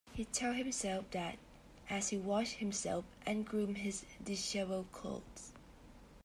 He told himself that as he washed himself and groomed his disheveled clothes.